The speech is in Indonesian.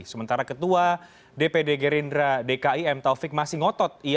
sementara ketua dpd gerindra dki m taufik masih ngotot